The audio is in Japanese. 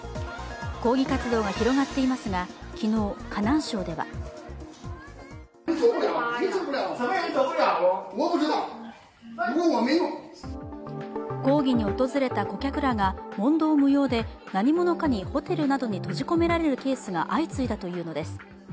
抗議活動が広がっていますが、昨日河南省では抗議に訪れた顧客らが問答無用で何者かにホテルなどに閉じ込められるケースが相次いだというのです。